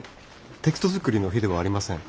テキストづくりの日ではありません。